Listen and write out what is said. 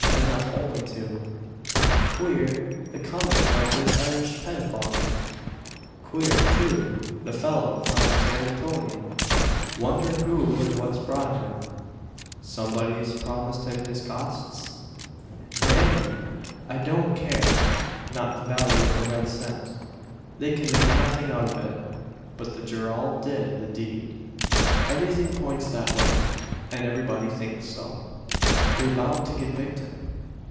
Enough only to . "Queer, the coming of this Irish pettifogger! "Queer, too, the fellow from San Antonio! Wonder who and what's brought him? Somebody's promised him his costs? "Damn 'em! I don't care, not the value of a red cent. They can make nothing out of it, but that Gerald did the deed. Everything points that way; and everybody thinks so. They're bound to convict him.